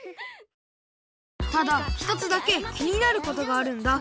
ただひとつだけきになることがあるんだ